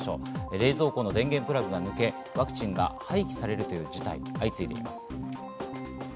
冷蔵庫の電源プラグが抜け、ワクチンが廃棄される事態が相次いでいます。